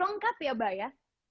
lengkap ya mbak ya